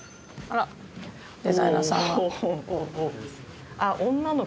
「あらデザイナーさんが」